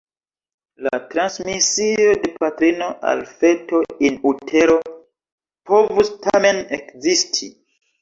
La transmisio de patrino al feto "in utero" povus tamen ekzisti.